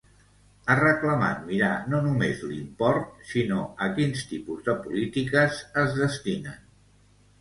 Ha reclamat mirar no només l'import sinó a quins tipus de polítiques es destinen.